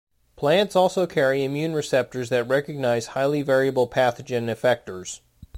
Plants also carry immune receptors that recognize highly variable pathogen effectors.